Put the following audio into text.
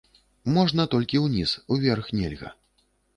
Можна толькі ўніз, уверх нельга.